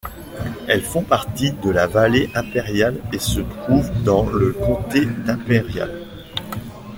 Elles font partie de la vallée impériale et se trouvent dans le comté d'Imperial.